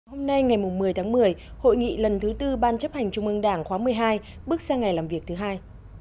hôm nay ngày một mươi tháng một mươi hội nghị lần thứ tư ban chấp hành trung ương đảng khóa một mươi hai bước sang ngày làm việc thứ hai